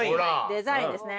デザインですね。